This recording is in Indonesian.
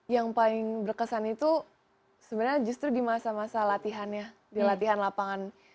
yang paling berkesan itu sebenarnya justru di masa masa latihannya di latihan lapangan